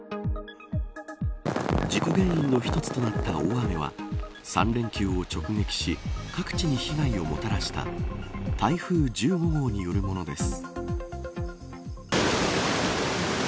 事故原因の一つとなった大雨は３連休を直撃し各地に被害をもたらした台風１５号によるものです。